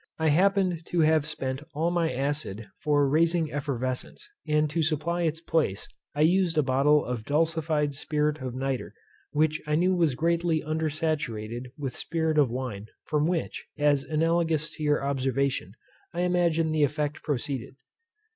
I happened to have spent all my acid for raising effervescence, and to supply its place I used a bottle of dulcified spirit of nitre, which I knew was greatly under saturated with spirit of wine; from which, as analogous to your observation, I imagine the effect proceeded.